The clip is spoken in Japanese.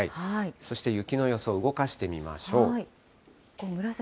そして雪の予想、動かしてみまし紫。